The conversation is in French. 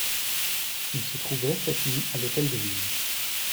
Il se trouvait, cette nuit, à l'Hôtel de Ville.